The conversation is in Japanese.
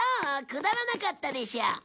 くだらなかったでしょ。